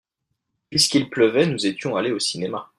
Puisqu'il pleuvait nous étions allés au cinéma.